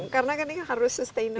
karena ini kan harus sustainable